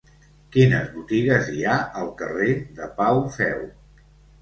Quines botigues hi ha al carrer de Pau Feu?